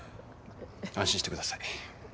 安心してください。